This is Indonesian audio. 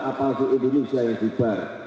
apalagi indonesia yang jibar